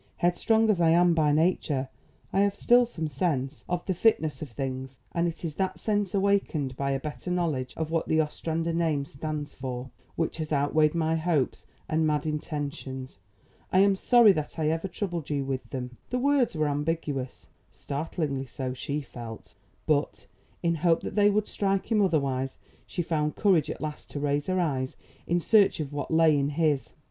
Headstrong as I am by nature, I have still some sense of the fitness of things, and it is that sense awakened by a better knowledge of what the Ostrander name stands for, which has outweighed my hopes and mad intentions. I am sorry that I ever troubled you with them." The words were ambiguous; startlingly so, she felt; but, in hope that they would strike him otherwise, she found courage at last to raise her eyes in search of what lay in his.